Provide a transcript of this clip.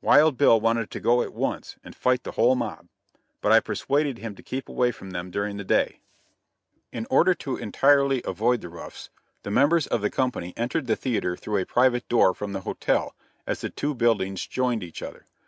Wild Bill wanted to go at once and fight the whole mob, but I persuaded him to keep away from them during the day. In order to entirely avoid the roughs, the members of the company entered the theater through a private door from the hotel, as the two buildings joined each other.